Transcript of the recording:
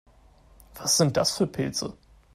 Was sind das für Pilze?